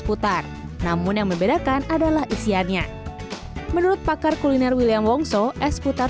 putar namun yang membedakan adalah isiannya menurut pakar kuliner william wongso es putar